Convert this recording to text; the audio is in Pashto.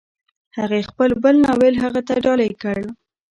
هغې خپل بل ناول هغه ته ډالۍ کړ.